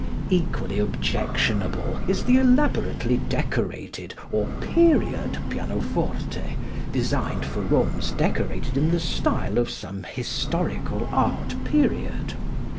Equally objectionable is the elaborately decorated or "period" pianoforte designed for rooms decorated in the style of some historical art period.